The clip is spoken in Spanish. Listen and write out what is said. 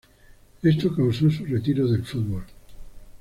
Esto causo su retiro del futbol.